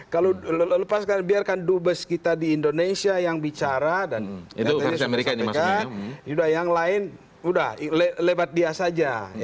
kalau lepas biarkan dubes kita di indonesia yang bicara dan yang lain sudah lebat dia saja